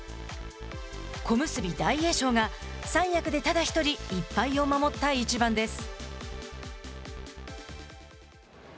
小結・大栄翔が、三役でただ１人１敗を守った一番です。